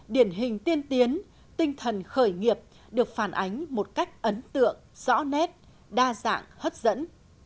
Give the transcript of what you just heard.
điển hình tiên tiến tinh thần khởi nghiệp được phản ánh một cách ấn tượng rõ nét đa dạng hấp dẫn